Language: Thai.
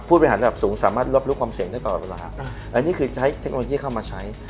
บริหารระดับสูงสามารถรับรู้ความเสี่ยงได้ตลอดเวลาอันนี้คือใช้เทคโนโลยีเข้ามาใช้